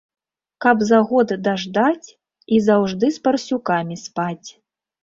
Каб за год даждаць і заўжды з парсюкамі спаць.